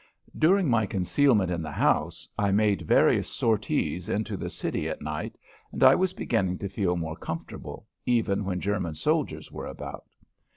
During my concealment in the house I made various sorties into the city at night, and I was beginning to feel more comfortable, even when German soldiers were about.